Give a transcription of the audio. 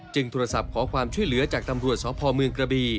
โทรศัพท์ขอความช่วยเหลือจากตำรวจสพเมืองกระบี